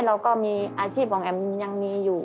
เราก็มีอาชีพของแอมยังมีอยู่